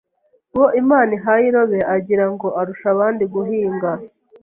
Uwo Imana ihaye irobe, agira ngo arusha abandi guhinga